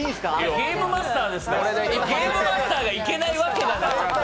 ゲームマスターがいけないわけがない。